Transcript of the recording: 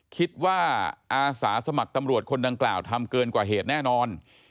อาสาสมัครตำรวจคนดังกล่าวทำเกินกว่าเหตุแน่นอน